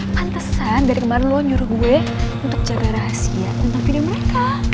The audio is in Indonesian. pantesan dari kemarin lo nyuruh gue untuk jaga rahasia tentang video mereka